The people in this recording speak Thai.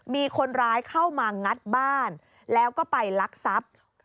มีคนร้ายเข้ามางัดบ้านแล้วก็ไปลักทรัพย์